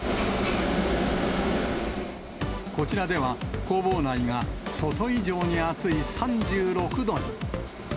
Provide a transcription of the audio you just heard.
こちらでは、工房内が外以上に暑い３６度に。